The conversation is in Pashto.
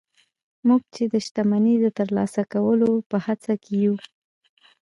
موږ چې د شتمني د ترلاسه کولو په هڅه کې يو.